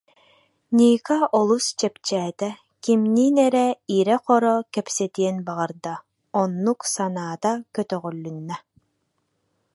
Ника олус чэпчээтэ, кимниин эрэ ирэ-хоро кэпсэтиэн баҕарда, оннук санаата көтөҕүлүннэ